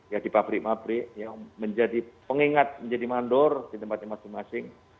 ya di pabrik pabrik yang menjadi pengingat menjadi mandor di tempatnya masing masing